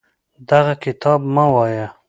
دغه کتاب مه وایه.